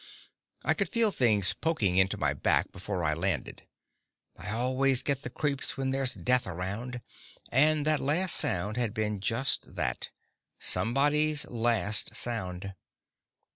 I could feel things poking into my back before I landed; I always get the creeps when there's death around, and that last sound had been just that somebody's last sound.